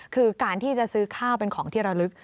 คือการที่จะซื้อข้าวเป็นของที่ระลึก